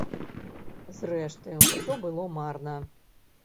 Зрэшты, усё было марна.